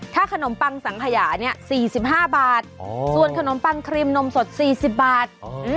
ถ้าขนมปังสังขยาเนี่ย๔๕บาทส่วนขนมปังครีมนมสด๔๐บาท